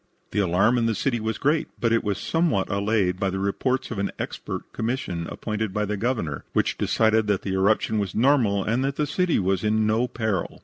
The alarm in the city was great, but it was somewhat allayed by the report of an expert commission appointed by the Governor, which decided that the eruption was normal and that the city was in no peril.